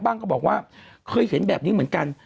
ก็บอกว่าเคยเห็นแบบนี้เหมือนกัน